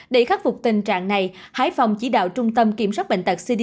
để khắc phục tình trạng này hải phòng chỉ đạo trung tâm kiểm soát bệnh tật cd